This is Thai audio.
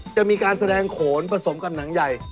จะมีการแสดงโขนผสมกับหนังใหญ่